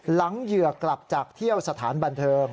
เหยื่อกลับจากเที่ยวสถานบันเทิง